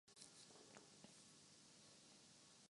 اورپرندے عام طور پر ہَر جگہ پانا جانا ہونا